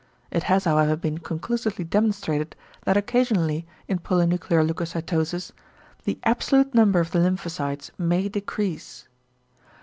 It has however been conclusively demonstrated that occasionally in polynuclear leucocytosis, the absolute number of the lymphocytes may decrease.